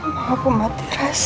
mau aku mati rasa